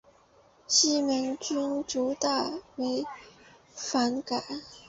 西门君遂大为反感。